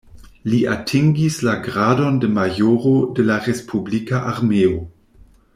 Li atingis la gradon de majoro de la respublika armeo.